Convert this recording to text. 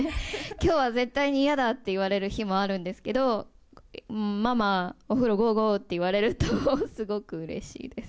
きょうは絶対に嫌だって言われる日もあるんですけど、ママ、お風呂ゴーゴーって言われると、すごくうれしいです。